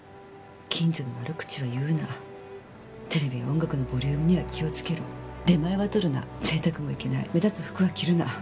近所の悪口は言うなテレビや音楽のボリュームには気をつけろ出前は取るな贅沢もいけない目立つ服は着るな！